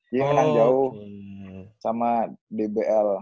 jadi menang jauh sama dbl